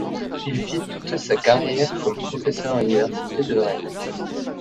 Il fit toute sa carrière comme professeur à l'université de Rennes.